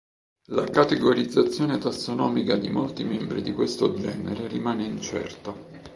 La categorizzazione tassonomica di molti membri di questo genere rimane incerta.